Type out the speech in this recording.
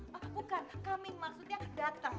bukan coming maksudnya datang